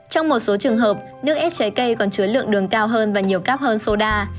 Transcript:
trong một số trường hợp nước ép trái cây còn chứa lượng đường cao hơn và nhiều cáp hơn soda